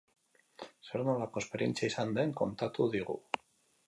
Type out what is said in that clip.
Zer-nolako esperientzia izan den kontatu digu.